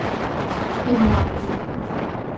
He married